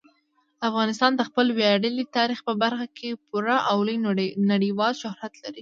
افغانستان د خپل ویاړلي تاریخ په برخه کې پوره او لوی نړیوال شهرت لري.